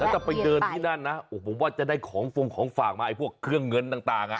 ถ้าไปเดินที่นั่นนะผมว่าจะได้ของฟงของฝากมาไอ้พวกเครื่องเงินต่าง